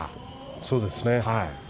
そうですね。